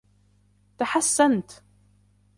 تحسنت.